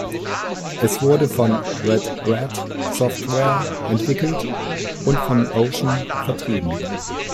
Es wurde von Red Rat Software entwickelt und von Ocean vertrieben.